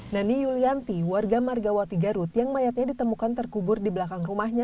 nani yulianti warga margawati garut yang mayatnya ditemukan terkubur di belakang rumahnya